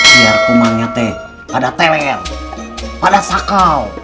biar kumannya teh pada teler ada sakau